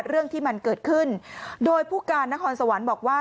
เรื่องที่มันเกิดขึ้นโดยผู้การนครสวรรค์บอกว่า